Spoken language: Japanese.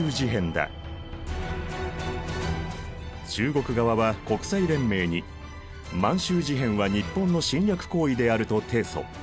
中国側は国際連盟に満洲事変は日本の侵略行為であると提訴。